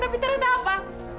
tapi ternyata apa